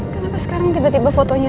kenapa sekarang tiba tiba fotonya